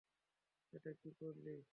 এটা কি করলি?